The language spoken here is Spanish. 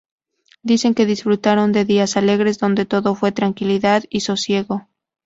Dicen que disfrutaron de días alegres, donde todo fue tranquilidad y sosiego.